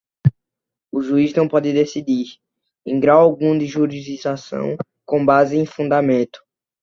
O juiz não pode decidir, em grau algum de jurisdição, com base em fundamento